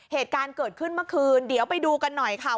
เหตุการณ์เกิดขึ้นเมื่อคืนเดี๋ยวไปดูกันหน่อยค่ะ